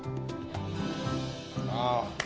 ああ。